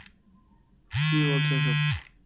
কী বলছো এসব?